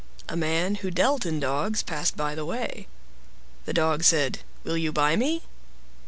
A man who dealt in dogs passed by the way. The Dog said, "Will you buy me?"